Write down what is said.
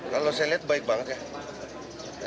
kalau saya lihat baik banget ya